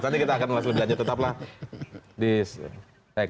nanti kita akan langsung belajar